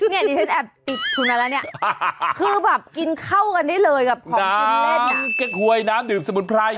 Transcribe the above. เนี่ยดิฉันแอบติดทุนมาแล้วเนี่ยคือแบบกินเข้ากันได้เลยกับของกินเล่นน้ำเก๊กหวยน้ำดื่มสมุนไพร